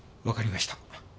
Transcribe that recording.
わかりました。